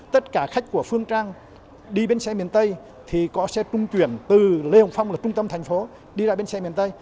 tất cả khách của phương trang đi bến xe miền tây thì có xe trung chuyển từ lê hồng phong là trung tâm thành phố đi lại bến xe miền tây